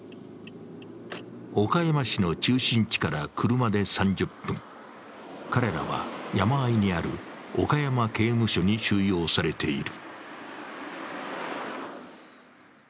岡山市の中心地から車で３０分、彼らは山あいにある岡山刑務所に収容されている。